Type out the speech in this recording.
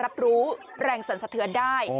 รับรู้แรงสรรสะเทือนได้